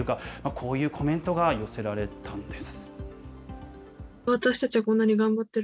こういうコメントが寄せられたんです。